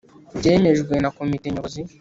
byemejwe na Komite Nyobozi